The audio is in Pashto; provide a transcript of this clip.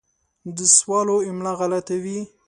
د سوالو املا غلطه